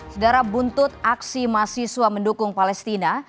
sedara buntut aksi mahasiswa mendukung palestina